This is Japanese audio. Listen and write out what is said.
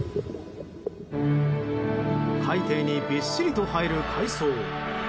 海底にびっしりと生える海草。